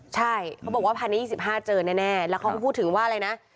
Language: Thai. ใช่เขาบอกว่า๑๐๒๕เจอแน่แล้วเขาก็พูดถึงว่าอะไรนะ